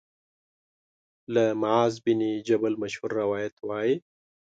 له معاذ بن جبل مشهور روایت وايي